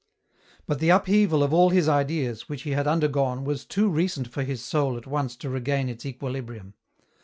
But the upheaval of all his ideas which he had undergone was too recent for his soul at once to regain its equilibrium.